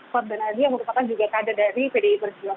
fuad bernardi yang merupakan juga kade dari pdi persiap